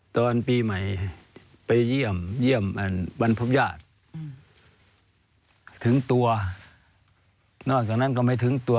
ตอนปีใหม่ไปเยี่ยมเยี่ยมบรรพบญาติถึงตัวนอกจากนั้นก็ไม่ถึงตัว